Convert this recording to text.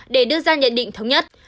để đưa ra nhận định thống nhất